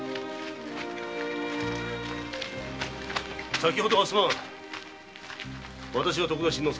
先程はすまん私は徳田新之助。